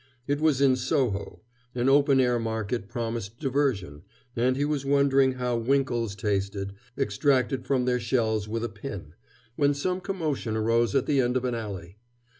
It was in Soho; an open air market promised diversion; and he was wondering how winkles tasted, extracted from their shells with a pin, when some commotion arose at the end of an alley.